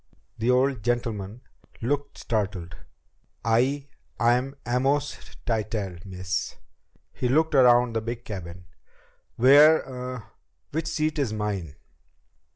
The old gentleman looked startled. "I I'm Amos Tytell, miss." He looked around the big cabin. "Where uh, which seat is mine?"